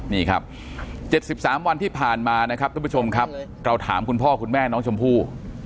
นี่ครับ๗๓วันที่ผ่านมานะครับทุกผู้ชมครับเราถามคุณพ่อคุณแม่น้องชมพู่